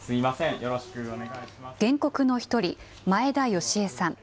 原告の１人、前田芳枝さん。